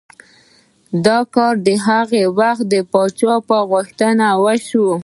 دا کار د هغه وخت د پادشاه په غوښتنه وشو.